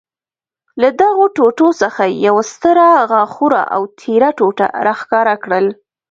له دغو ټوټو څخه یې یوه ستره، غاښوره او تېره ټوټه را ښکاره کړل.